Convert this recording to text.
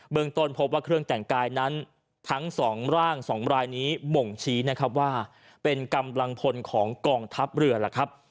เมืองต้นพบว่าเครื่องแต่งกายนั้นทั้งสองร่างสองรายนี้บ่งชี้นะครับว่าเป็นกำลังพลของกองทัพเรือล่ะครับ